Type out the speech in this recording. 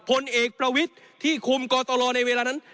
พลเอกประวิทย์ที่คุมกตลในเวลานั้น